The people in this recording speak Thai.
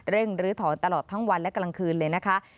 ลื้อถอนตลอดทั้งวันและกลางคืนเลยนะคะ